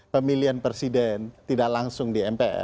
pemilihan presiden tidak langsung di mpr